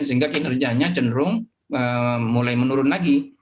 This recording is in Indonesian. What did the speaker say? sehingga kinerjanya cenderung mulai menurun lagi